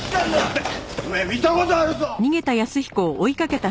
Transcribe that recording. てめえ見た事あるぞ！